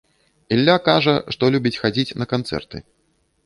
Ілля кажа, што любіць хадзіць на канцэрты.